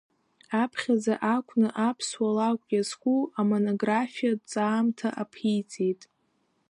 Аԥхьаӡа акәны аԥсуа лакә иазку амонографиатә ҭҵаамҭа аԥиҵеит…